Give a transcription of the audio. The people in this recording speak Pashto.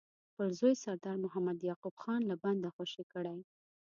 خپل زوی سردار محمد یعقوب خان له بنده خوشي کړي.